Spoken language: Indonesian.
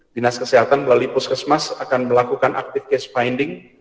dinas kesehatan melalui puskesmas akan melakukan active case finding